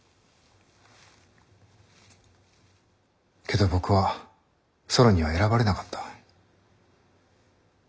けど僕はソロンには選ばれなかった。